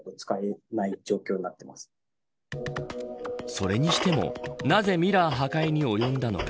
それにしても、なぜミラー破壊に及んだのか。